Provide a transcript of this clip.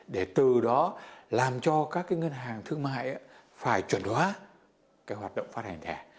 để từ đó làm cho các ngân hàng thương mại phải chuẩn hóa cái hoạt động phát hành thẻ